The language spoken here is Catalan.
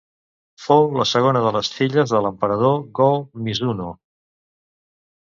Fou la segona de les filles de l'emperador Go-Mizunoo.